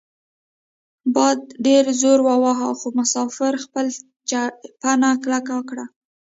باد ډیر زور وواهه خو مسافر خپله چپن کلکه کړه.